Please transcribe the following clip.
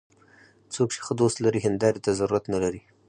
څوک چې ښه دوست لري، هنداري ته ضرورت نه لري